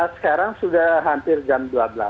sekarang sudah hampir jam dua belas